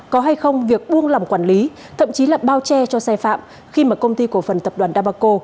có hay không việc buông lòng quản lý thậm chí là bao che cho xe phạm khi mà công ty cổ phần tập đoàn đà bà cộ